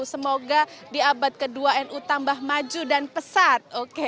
semoga di abad kedua nu tambah maju dan pesat